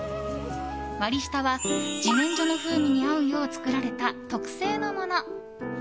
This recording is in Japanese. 割り下は自然薯の風味に合うよう作られた特製のもの。